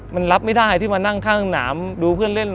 มันรับไม่ได้ที่มานั่งข้างหนามดูเพื่อนเล่น